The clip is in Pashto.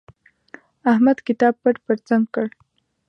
احمد کتاب پټ پر څنګ کړ.